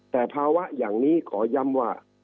แต่ภาวะอย่างนี้ขอย้ำว่า